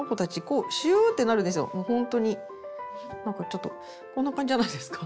ちょっとこんな感じじゃないですか？